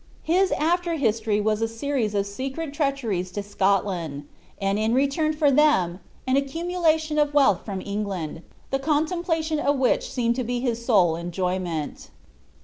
His after history was a series of secret treacheries to Scotland; and in return for them, an accumulation of wealth from England, the comtemplation of which seemed to be his sole enjoyment.